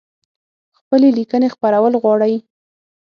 خپلي لیکنۍ خپرول غواړی؟